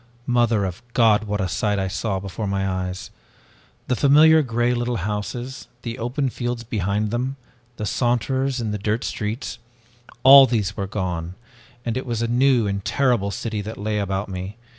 Mother of God, what a sight before my eyes! The familiar gray little houses, the open fields behind them, the saunterers in the dirt streets all these were gone and it was a new and terrible city that lay about me!